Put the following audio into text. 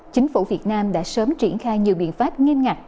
chính phủ việt nam đã sớm triển khai nhiều biện pháp nghiêm ngặt